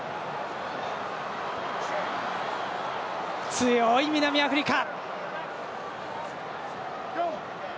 強い、南アフリカ。